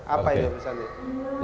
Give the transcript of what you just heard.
apa yang kamu pesan tadi